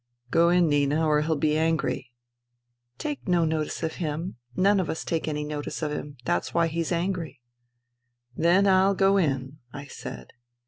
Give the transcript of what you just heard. " Go in, Nina, or he'll be angry." " Take no notice of him. None of us take any notice of him. That's why he is angry." '^Then I'll go in," I said.